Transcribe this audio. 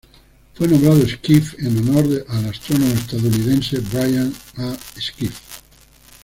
Fue nombrado Skiff en honor al astrónomo estadounidense Brian A. Skiff.